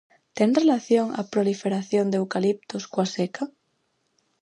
Ten relación a proliferación de eucaliptos coa seca?